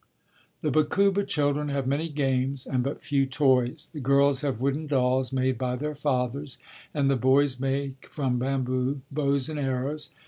The Bakuba children have many games and but few toys. The girls have wooden dolls made by their fathers, and the boys make from bamboo bows and arrows.